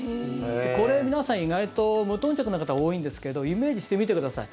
これ、皆さん意外と無頓着な方多いんですけどイメージしてみてください。